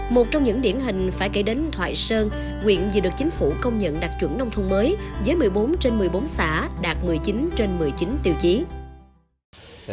một trong những điển hình phải kể đến thoại sơn quyện vừa được chính phủ công nhận đạt chuẩn nông thôn mới với một mươi bốn trên một mươi bốn xã đạt một mươi chín trên một mươi chín tiêu chí